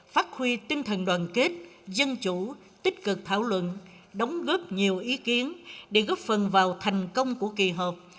phát huy tinh thần đoàn kết dân chủ tích cực thảo luận đóng góp nhiều ý kiến để góp phần vào thành công của kỳ họp